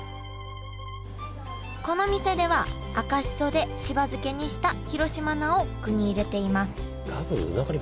この店では赤しそでしば漬けにした広島菜を具に入れています。